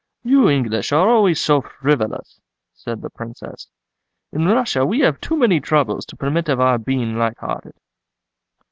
"You English are always so frivolous," said the Princess. "In Russia we have too many troubles to permit of our being light hearted."